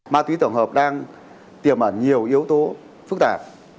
ma túy tổng hợp đang tiềm ẩn nhiều yếu tố phức tạp